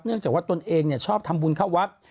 เนื่องจากว่าตนเองเนี่ยชอบทำบุญข้าววัฒน์